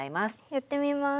やってみます。